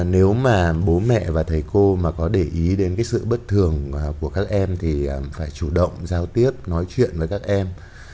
nếu mà bố mẹ và thầy cô mà có để ý đến cái sự bất thường của các em thì phải chủ động giao tiếp nói chuyện với các em